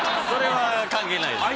それは関係ない。